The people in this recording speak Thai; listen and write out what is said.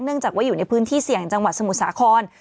จากว่าอยู่ในพื้นที่เสี่ยงจังหวัดสมุทรสาคร